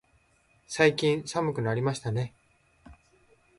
最近寒くなりましたね。